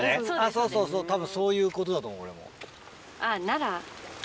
そうそうそうたぶんそういうことだと思う。なら。